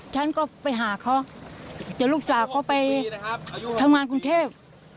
ฉันก็ไปหาเขาเจ้าลูกสาวก็ไปทำงานกรุงเทพฯ